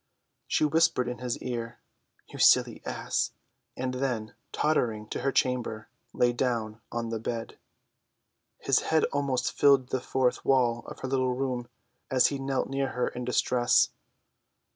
She whispered in his ear "You silly ass," and then, tottering to her chamber, lay down on the bed. His head almost filled the fourth wall of her little room as he knelt near her in distress.